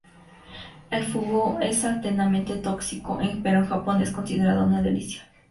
El fugu es altamente tóxico, pero en Japón es considerado una delicia.